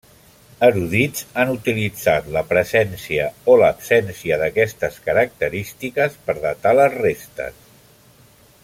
Erudits han utilitzat la presència o l'absència d'aquestes característiques per datar les restes.